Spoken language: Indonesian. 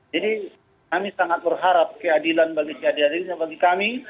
jadi kami sangat berharap keadilan bagi siadat ini bagi kami